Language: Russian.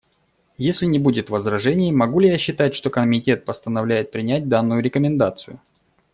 Если не будет возражений, могу ли я считать, что Комитет постановляет принять данную рекомендацию?